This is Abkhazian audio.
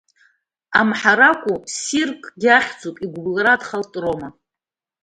Амҳара акәу, сиркгьы ахьӡуп, игәбылра адхалт Рома.